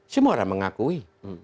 semua orang mengakui